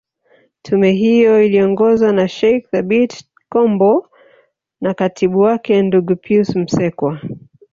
Tume hiyo iliongozwa na Sheikh Thabit Kombo na katibu wake ndugu Pius Msekwa